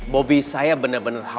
bobby saya benar benar hawas